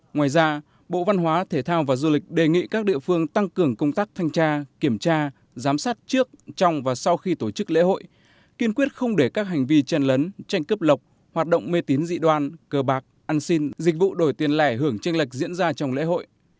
ngoài ra bộ văn hóa thể thao và du lịch đề nghị các địa phương tăng cường công tác thanh tra kiểm tra giám sát trước trong và sau khi tổ chức lễ hội kiên quyết không để các hành vi chen lấn tranh cấp lọc hoạt động mê tín dị đoan cờ bạc ăn xin dịch vụ đổi tiền lẻ hưởng tranh lệch diễn ra trong lễ hội